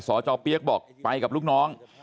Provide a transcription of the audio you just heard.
สจเปี๊ยกบอกไปกับลูกน้อง